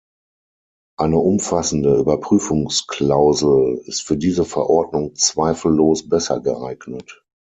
Eine umfassende Überprüfungsklausel ist für diese Verordnung zweifellos besser geeignet.